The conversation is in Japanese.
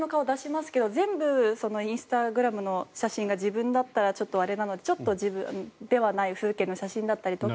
全部インスタグラムの写真が自分だったらあれなのでちょっと自分ではない風景の写真だとか。